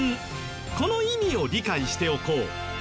この意味を理解しておこう。